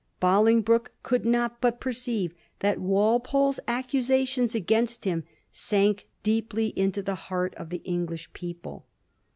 Bolingbroke could not but perceive that Walpole's accusations against him sank deeply into the heart of the English people.